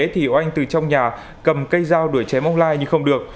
thì oanh từ trong nhà cầm cây dao đuổi chém ông lai nhưng không được